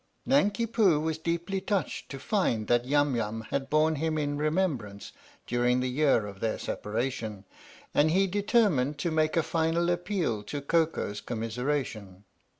Nanki Poo was deeply touched to find that Yum Yum had borne him in remembrance during the year of their separation, and he determined to make a final appeal to Koko's commiseration.